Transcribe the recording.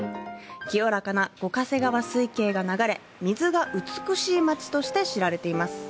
清らかな五ヶ瀬川水系が流れ、水が美しい町として知られています。